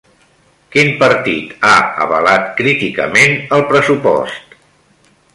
Quin partit ha avalat críticament el pressupost?